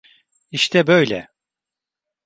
İşte böyle!